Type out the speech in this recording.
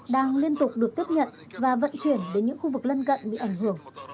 đang liên tục được tiếp nhận và vận chuyển đến những khu vực lân cận bị ảnh hưởng